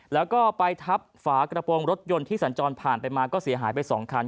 แล้วก็ไปทับฝากระโปรงรถยนต์ที่สัญจรผ่านไปมาก็เสียหายไป๒คัน